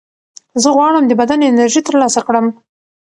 زه غواړم د بدن انرژي ترلاسه کړم.